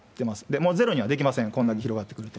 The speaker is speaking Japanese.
もうゼロにはできません、これだけ広がってくると。